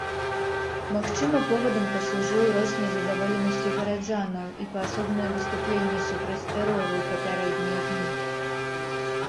Магчыма, повадам паслужыў рост незадаволенасці гараджанаў і паасобныя выступленні супраць тэрору ў папярэднія дні.